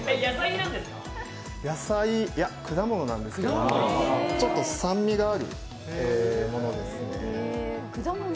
果物なんですけど、ちょっと酸味があるものですね。